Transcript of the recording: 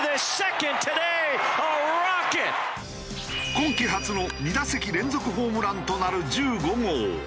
今季初の２打席連続ホームランとなる１５号。